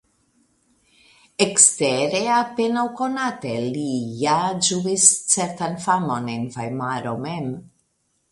Ekstere apenaŭ konate li ja ĝuis certan famon en Vajmaro mem.